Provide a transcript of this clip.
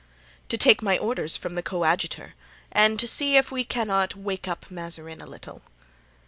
"To take my orders from the coadjutor and to see if we cannot wake up Mazarin a little."